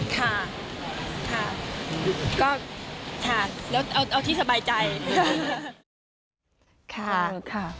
ค่ะค่ะแล้วเอาที่สบายใจ